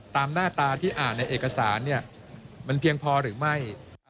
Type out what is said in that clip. หน้าตาที่อ่านในเอกสารมันเพียงพอหรือไม่